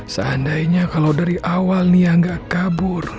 seandainya kalau dari awal nia gak kabur